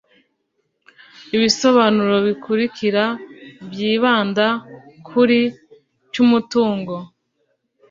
ibisobanuro bikurikira byibanda kuri cy'umutungo